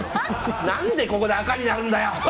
なんでここに赤になるんだよ！